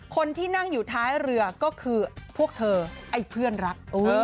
คนที่นั่งอยู่ท้ายเรือก็คือพวกเธอไอ้เพื่อนรัก